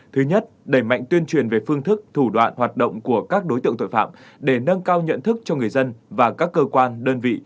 thứ nhất đẩy mạnh tuyên truyền về phương thức thủ đoạn hoạt động của các đối tượng tội phạm để nâng cao nhận thức cho người dân và các cơ quan đơn vị